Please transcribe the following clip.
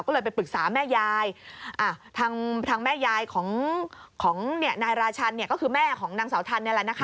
ก็เลยไปปรึกษาแม่ยายทางแม่ยายของนายราชันก็คือแม่ของนางสาวทัน